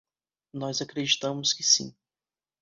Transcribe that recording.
Nós acreditamos que sim.